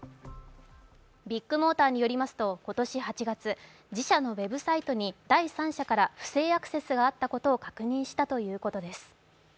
ビッグモーターによりますと、今年８月、自社のウェブサイトに第三者から不正アクセスがあったことを確認したということです。